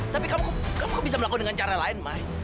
tapi kamu kamu kok bisa melakukan dengan cara lain mai